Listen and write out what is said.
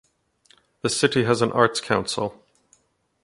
The city has an Arts Council.